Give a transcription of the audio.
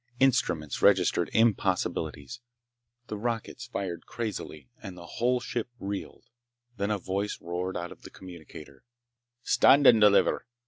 Instruments registered impossibilities, the rockets fired crazily, and the whole ship reeled. Then a voice roared out of the communicator: "Stand and deliver!